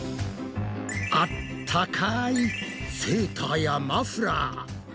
あったかいセーターやマフラー。